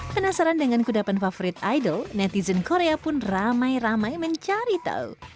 penasaran dengan kudapan favorit idol netizen korea pun ramai ramai mencari tahu